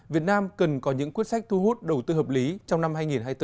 việt nam cần có những quyết sách thu hút đầu tư hợp lý trong năm hai nghìn hai mươi bốn